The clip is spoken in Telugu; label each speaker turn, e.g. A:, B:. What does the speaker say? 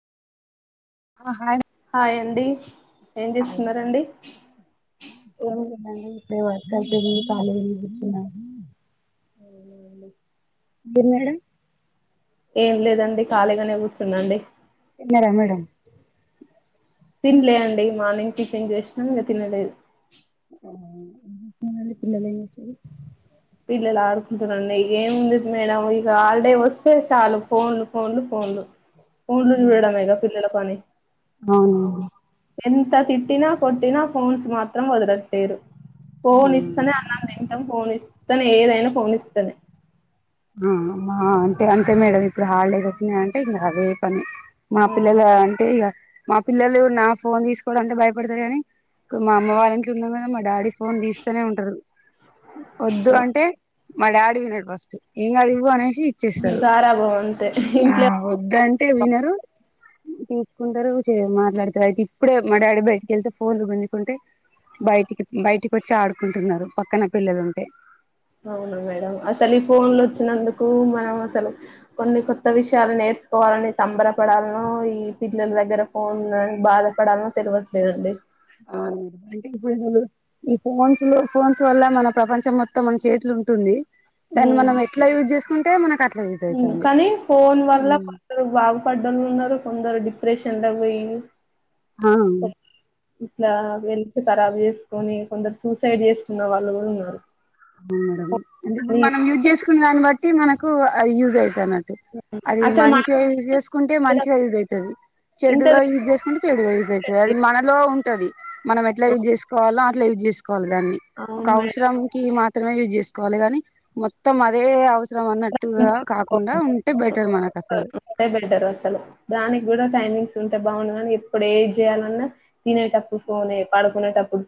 A: ఆ హాయ్
B: హాయ్ అండి ఏం చేస్తున్నారండి
A: ఏం ఇప్పుడే వర్క్యిపోంది ఖాళీగాజుదుతున్నారు
B: అవున అండి
A: మీర్ మేడం
B: ఏం లేదండి ఖాళీగానే కూర్చున్నాండి.
A: తిన్నార మేడం
B: తినలే అండి మార్నింగ్ టిఫిన్ చేసినా ఇంగా తినలేదు.
A: అవున అండి పిల్లలే ఏం చేస్తారు.
B: పిల్లలా ఆడుకుంటురండి. ఏంముంది మేడం ఇగా హాలిడే వస్తే చాలు ఫోన్లు, ఫోన్లు, ఫోన్లు. ఫోన్లు చూడడమేగా పిల్లల పని
A: అవునండి
B: ఎంత తిట్టినా, కొట్టినా ఫోన్స్ మాత్రం వదలట్లేరు. ఫోన్ ఇస్తనే అన్నం తింటాం. ఫోన్ ఇస్త్ ఇస్తనే ఏదైనా ఫోనిస్తానే
A: ఆ ఆ ఆహ్ అంటే అంతే మేడం. ఇప్పుడు హాలిడేస్ వచ్చినయ్ అంటే ఇంకా అదే పని మా పిల్లలు అంటే ఇగా మా పిల్లలు నా ఫోన్ తీసుకోవడం అంత భయపడతారు గానీ. క్ మా అమ్మ వాళ్ళకి ఉన్నాం కదా. మా డాడీ ఫోన్ తీస్తనే ఉంటారు. వద్దు అంటే మా డాడీ కి తిడతాం ఇంగా ఇవ్వు అనే ఇచ్చేస్తారు.
B: గారాబం అంతే
A: ఆ
B: ఇంట్లో
A: వద్ద అంటే వినరు తీసుకుంటారు మాట్లాడతారు అయితే ఇప్పుడే మా డాడీ బయటికి వెళ్తే ఫోన్లు గుంజుకుంటే బయటికి బయటికి వచ్చి ఆడుకుంటున్నారు పక్కన పిల్లలుంటే
B: అవునా మేడం అ ఫోన్లు వచ్చినందుకు మనమ అసలు కొన్ని కొత్త విషయాలు నేర్చుకోవాలని సంబరపడాల్నో ఈ పిల్లల దగ్గర ఫోన్ల బాధపడాల్నో తెలువట్లేదండి
A: ఆ ఇప్పుడు ఈ ఫోన్స్ ఫోన్స్ వల్ల మన ప్రపంచం మొత్తం మన చేత్లుంటుంది దాన్ని మనం ఎట్లా యూజ్ చేసుకుం టే మన కట్
B: కానీ ఫోన్ వల్ల కొందరు బాగుపద్దోళ్ళు ఉన్నారు కొందరు ప్రేషన్ంత పోయి
A: ఆ
B: ఇట్లా వేర్ ఖరాబ్ చేసుకొని కొందరు సూసైడ్ చేసుకున్న వాళ్ళు కూడా ఉన్నారు
A: మేడం అంటే ఇప్పుడు
B: అని
A: మనం యూస్ చేస్ కు దాన్ని బట్టి మనకు యూజ్ అయి అది
B: అసలు మన
A: మంచిగా యూజ్ చేసుకుంటే మంచిగా యూజ్ అవుతది
B: ఇంత
A: చెడుగా యూజ్ చేసుకుంటే చెడుగా యూజ్ అవుతది అది మనలో ఉ అది మనం ఎట్లా యూజ్ చేసుకోవాలో వెట్ జేస్ కోవాలి దాన్ని ఒక
B: అవును
A: అవసరం మాత్రమే యూస్ చేసుకొవాలి కానీ మొత్తం అదే అవ్ వసరం అన్నట్టుగా కాకుండా
B: మేడం
A: ఉంటే బెటర్ మనకు అసలు
B: అదే బెటర్ అసలు దానికి కూడా టైమింగ్స్ ఉంటే బాగుండు కని ఎప్పుడు ఏద్ చేయాలన్నా తినే టప్పుడు ఫోనే పడుకునేట